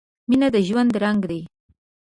• مینه د ژوند رنګ دی.